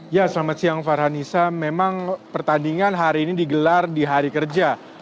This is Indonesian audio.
ya selamat siang farhanisa memang pertandingan hari ini digelar di hari kerja